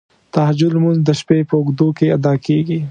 تهجد لمونځ د شپې په اوږدو کې ادا کیږی.